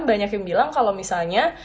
banyak yang bilang kalau misalnya